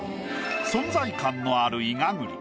存在感のあるイガ栗。